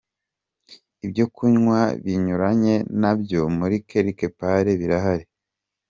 Ibyo kunywa binyuranye nabyo muri Quelque Part birahari.